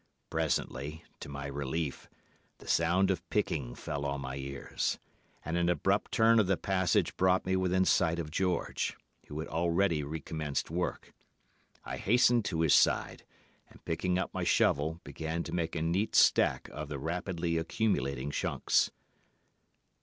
Presently, to my relief, the sound of picking fell on my ears, and an abrupt turn of the passage brought me within sight of George, who had already recommenced work. I hastened to his side, and, picking up my shovel, began to make a neat stack of the rapidly accumulating chunks.